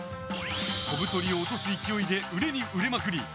飛ぶ鳥を落とす勢いで売れに売れまくり